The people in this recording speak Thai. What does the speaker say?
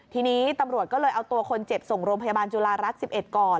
ทีนี้ตำรวจก็เลยเอาตัวคนเจ็บส่งโรงพยาบาลจุฬารัฐ๑๑ก่อน